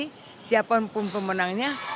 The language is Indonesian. bagi pbsi siapa pun pemenangnya